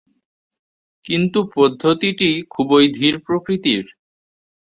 কিন্তু পদ্ধতিটি খুবই ধীর প্রকৃতির।